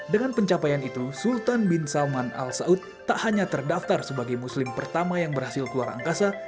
dengan pencapaian itu sultan bin salman al saud tak hanya terdaftar sebagai muslim pertama yang berhasil keluar angkasa